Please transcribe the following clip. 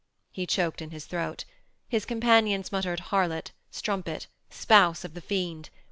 He choked in his throat. His companions muttered Harlot; Strumpet; Spouse of the Fiend.